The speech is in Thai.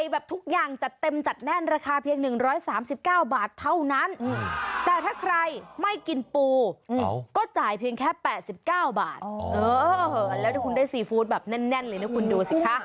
แล้วถ้าคุณได้ซีฟู้ดแบบแน่นเลยนะคุณดูสิคะ